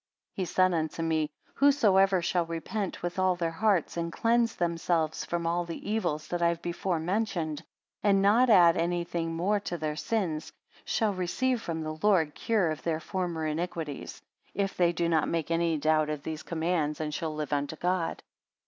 82 He said unto me, Whosoever shall repent with all their hearts, and cleanse themselves from all the evils that I have before mentioned, and not add anything more to their sins, shall receive from the Lord cure of their former iniquities, if they do not make any doubt of these commands, and shall live unto God.